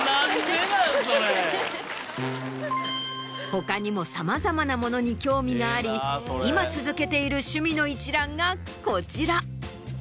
他にもさまざまなものに興味があり今続けている趣味の一覧がこちら。